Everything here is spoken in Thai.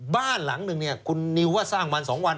บ้านหลังหนึ่งคุณนิวว่าสร้างมา๒วันไหม